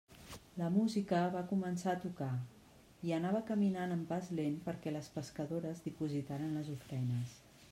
La música va començar a tocar i anava caminant amb pas lent perquè les pescadores dipositaren les ofrenes.